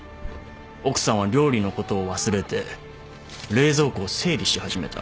奥さんは料理のことを忘れて冷蔵庫を整理し始めた。